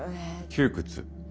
窮屈。